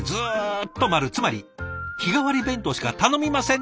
つまり日替わり弁当しか頼みません！